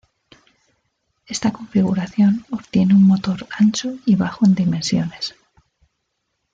Esta configuración obtiene un motor ancho y bajo en dimensiones.